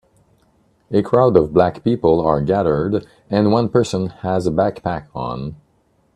A crowd of black people are gathered and one person has a backpack on.